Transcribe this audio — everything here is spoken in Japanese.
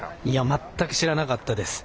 全く知らなかったです。